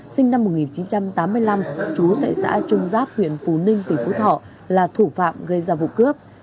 sinh năm một nghìn chín trăm tám mươi năm trú tại xã trung giáp huyện phú ninh tỉnh phú thọ là thủ phạm gây ra vụ cướp